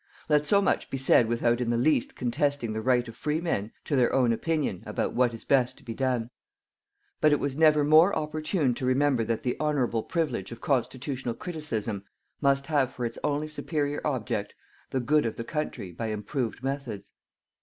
Let so much be said without in the least contesting the right of free men to their own opinion about what is best to be done. But it was never more opportune to remember that the honourable privilege of constitutional criticism must have for its only superior object the good of the country by improved methods.